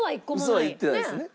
ウソは言ってないですね。